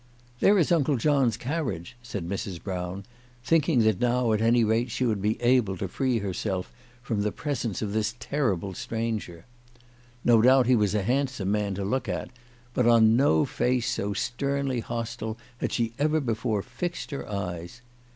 " There is Uncle John's carriage," said Mrs. Brown, thinking that now, at any rate, she would be able to free herself from the presence of this terrible stranger. No doubt he was a handsome man to look at, but on no face so sternly hostile had she ever before fixed her eyes.